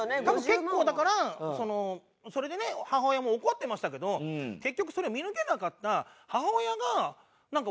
結構だからそのそれでね母親も怒ってましたけど結局それ見抜けなかった母親が悪かったのかな。